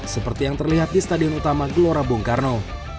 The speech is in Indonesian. seperti yang terlihat di stadion utama gelora bung karno